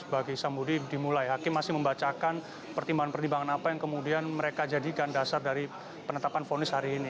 bagi sambudi dimulai hakim masih membacakan pertimbangan pertimbangan apa yang kemudian mereka jadikan dasar dari penetapan fonis hari ini